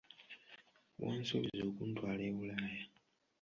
Wansuubiza okuntwala e Bulaaya.